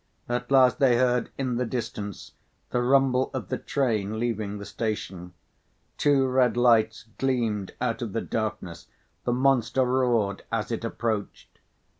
At last they heard in the distance the rumble of the train leaving the station. Two red lights gleamed out of the darkness; the monster roared as it approached.